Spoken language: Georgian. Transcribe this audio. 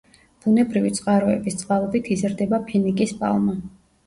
ბუნებრივი წყაროების წყალობით იზრდება ფინიკის პალმა.